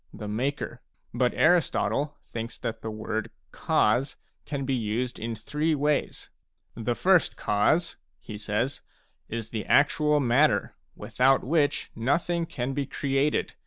— the ma ker ; but Aristotle thin ks that the word u cause " can be used in three ways :" The first causeT^ he s^s/ ?r isth"e actual matter, without which nothing can be created.